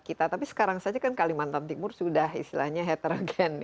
kita tapi sekarang saja kan kalimantan timur sudah istilahnya heterogen